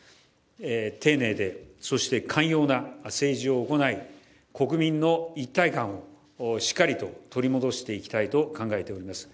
丁寧で、そして寛容な政治を行い国民の一体感をしっかりと取り戻していきたいと考えております。